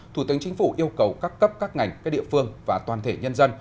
thủ tướng chính phủ yêu cầu các cấp các ngành các địa phương và toàn thể nhân dân